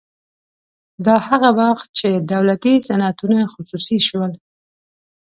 دا هغه وخت چې دولتي صنعتونه خصوصي شول